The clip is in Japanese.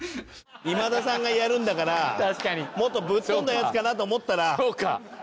今田さんがやるんだからもっとぶっ飛んだやつかなと思ったら。